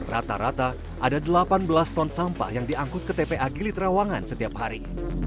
rata rata ada delapan belas ton sampah yang diangkut ke tpa gili trawangan setiap hari